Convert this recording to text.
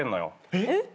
えっ？